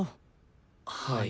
はい。